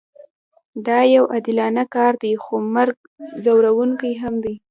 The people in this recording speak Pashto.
دا یو عادلانه کار دی خو مرګ ځورونکی هم دی